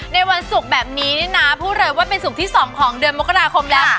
ในวันศุกร์แบบนี้นี่นะพูดเลยว่าเป็นศุกร์ที่๒ของเดือนมกราคมแล้ว